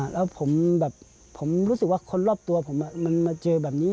แล้วผมแบบผมรู้สึกว่าคนรอบตัวผมมันมาเจอแบบนี้